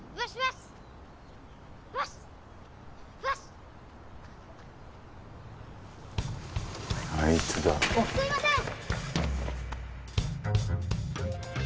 すいません！